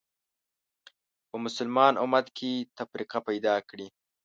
په مسلمان امت کې تفرقه پیدا کړې